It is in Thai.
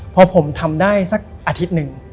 พอผมทำได้สักอาทิตย์หนึ่ง